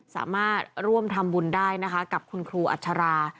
สามารถร่วมทำบุญได้นะคะกับคุณครูอัชรา